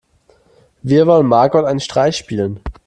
Wir wollen Margot einen Streich spielen.